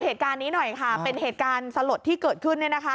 เหตุการณ์นี้หน่อยค่ะเป็นเหตุการณ์สลดที่เกิดขึ้นเนี่ยนะคะ